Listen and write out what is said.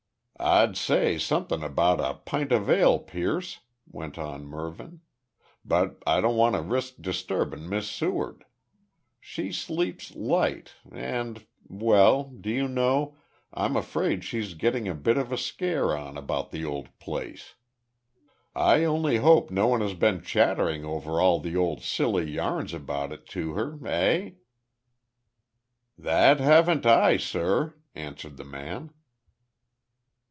"I'd say something about a pint of ale, Pierce," went on Mervyn, "but I don't want to risk disturbing Miss Seward. She sleeps light, and well, do you know, I'm afraid she's getting a bit of a scare on about the old place. I only hope no one has been chattering over all the old silly yarns about it to her, eh?" "That haven't I, sur," answered the man.